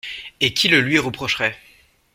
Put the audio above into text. Et qui le lui reprocherait?